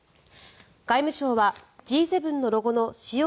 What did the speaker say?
外務省はＧ７のロゴの使用